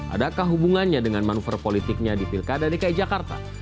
adakah hubungannya dengan manuver politiknya di pilkada dki jakarta